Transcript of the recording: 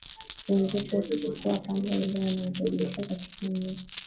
wenzetu wakichukua pamba ile wanaibadilisha katika nyuzi